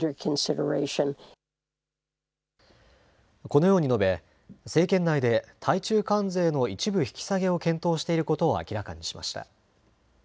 このように述べ、政権内で対中関税の一部引き下げを検討していることを明らかにしました。